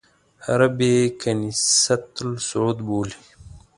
عرب یې کنیسۃ الصعود بولي.